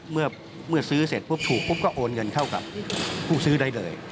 เมื่อซื้อเสร็จปุ๊บถูกปุ๊บก็โอนเงินเข้ากับผู้ซื้อได้เลย